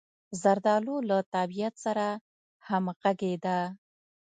زردالو له طبعیت سره همغږې ده.